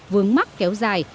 vướng mắt kéo dài